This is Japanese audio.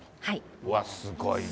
うわ、すごいね。